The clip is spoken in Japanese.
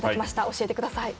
教えてください。